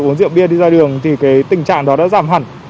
uống rượu bia đi ra đường thì cái tình trạng đó đã giảm hẳn